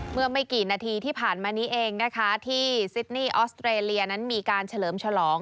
เมื่อไม่กี่นาทีที่ผ่านมานี้เองนะคะที่ซิดนี่ออสเตรเลียนั้นมีการเฉลิมฉลอง